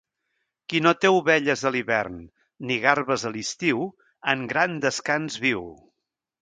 Qui no té ovelles a l'hivern ni garbes a l'estiu en gran descans viu.